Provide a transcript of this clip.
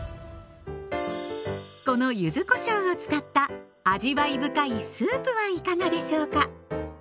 この柚子こしょうを使った味わい深いスープはいかがでしょうか。